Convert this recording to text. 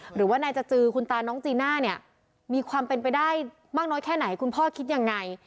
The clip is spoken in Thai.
หรือว่านายจจือคุณตาน้องจีน่าเนี่ยมีความเป็นไปได้มากน้อยแค่ไหนคุณพ่อคิดยังไง